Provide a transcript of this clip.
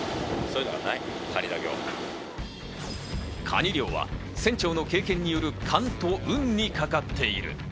カニ漁は船長の経験による勘と運にかかっている。